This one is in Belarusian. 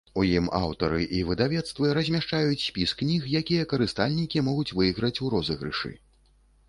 У ім аўтары і выдавецтвы размяшчаюць спіс кніг, якія карыстальнікі могуць выйграць у розыгрышы.